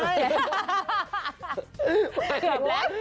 เกือบแล้ว